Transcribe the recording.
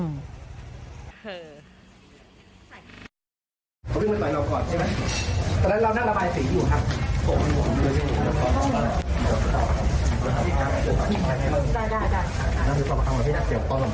เขาวิ่งมาต่อเราก่อนใช่ไหมตอนนั้นน่ะระบายสีอยู่ครับ